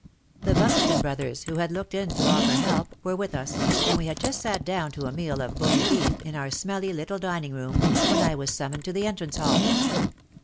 The Buxton brothers, who had looked in to offer help, were with us, and we had just sat down to a meal of bully beef, in our smelly little dining room, when I was summoned to the entrance hall.